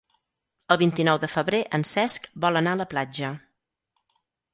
El vint-i-nou de febrer en Cesc vol anar a la platja.